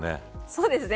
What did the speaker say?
そうですね。